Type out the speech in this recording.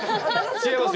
違います